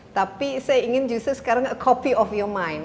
tapi saya ingin justru sekarang copy of your mind